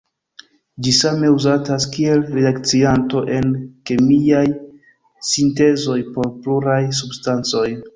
Ĝi same uzatas kiel reakcianto en kemiaj sintezoj por pluraj substancoj.